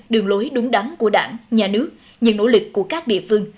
đường lối đúng đắn của đảng nhà nước những nỗ lực của các địa phương